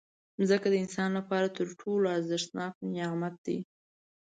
مځکه د انسان لپاره تر ټولو ارزښتناک نعمت دی.